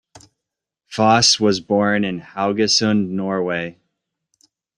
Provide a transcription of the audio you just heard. Fosse was born in Haugesund, Norway.